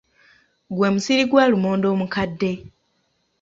Gwe musiri gwa lumonde omukadde.